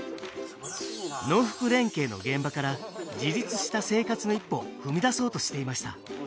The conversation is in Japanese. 農福連携の現場から自立した生活の一歩を踏み出そうとしていました